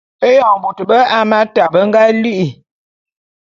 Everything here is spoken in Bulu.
Eyon bôt bé Hamata be nga li'i.